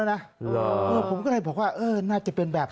แล้วนะผมก็เลยบอกว่าเออน่าจะเป็นแบบนี้